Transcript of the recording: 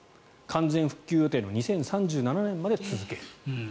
完全復旧予定の２０３７年まで続ける。